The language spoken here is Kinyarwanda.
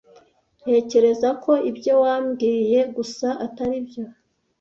Ntekereza ko ibyo wambwiye gusa atari byo.